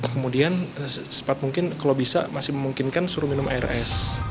kemudian sempat mungkin kalau bisa masih memungkinkan suruh minum air es